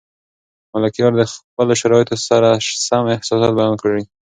ملکیار د خپلو شرایطو سره سم احساسات بیان کړي.